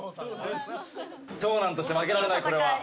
長男として負けられない。